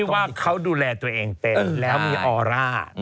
ว่าเขาดูแลตัวเองเต็มแล้วมีออร่า